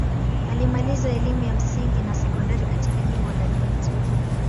Alimaliza elimu ya msingi na sekondari katika jimbo la Delta.